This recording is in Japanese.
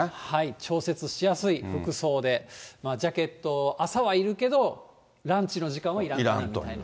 調節しやすい服装で、ジャケット、朝はいるけど、ランチの時間はいらない。